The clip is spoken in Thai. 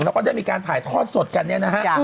แล้วก็ได้มีการถ่ายทอดสดกันเนี่ยนะฮะ